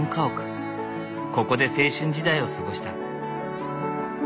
ここで青春時代を過ごした。